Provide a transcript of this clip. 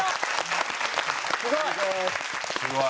すごい！